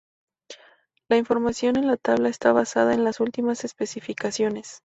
La información en la tabla está basada en las últimas especificaciones.